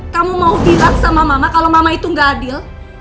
kamu mau bilang sama mama kalau mama itu gak adil